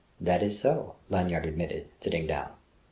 "That is so," Lanyard admitted, sitting down.